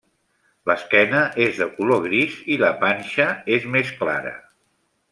L'esquena és de color gris i la panxa és més clara.